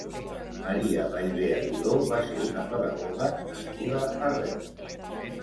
Maria Ballvé Aguiló va ser una pedagoga nascuda a Reus.